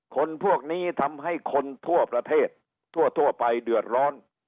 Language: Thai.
คนพวกนี้ทำให้คนทั่วประเทศทั่วไปเดือดร้อน